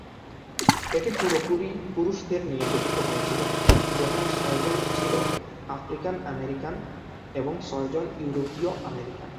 এটি পুরোপুরি পুরুষদের নিয়ে গঠিত হয়েছিলো, যেখানে ছয়জন ছিলো আফ্রিকান-আমেরিকান এবং ছয়জন ইউরোপীয়-আমেরিকান।